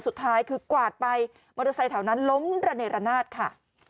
สุดท้ายคือกวาดไปมอเตอร์ไซค์แถวนั้นล้มระเนรนาศค่ะ